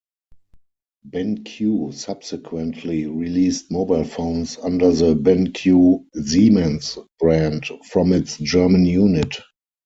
BenQ subsequently released mobile phones under the BenQ-Siemens brand, from its German unit.